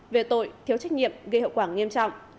về tội thiếu trách nhiệm gây hậu quả nghiêm trọng